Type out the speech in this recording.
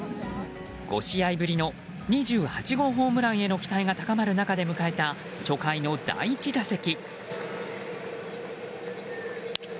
５試合ぶりの２８号ホームランへの期待が高まる中で迎えた初回の第１打席。